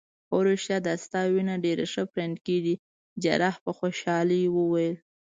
هو ریښتیا دا ستا وینه ډیره ښه پرنډ کیږي. جراح په خوشحالۍ وویل.